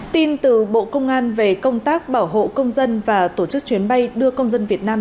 tin từ bộ công an về công tác bảo hộ công dân và tổ chức chuyến bay đưa công dân việt nam